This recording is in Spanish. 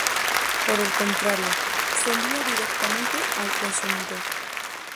Por el contrario, se envía directamente al consumidor.